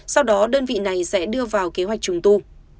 sau đó đơn vị này sẽ đưa vào kế hoạch trùng tu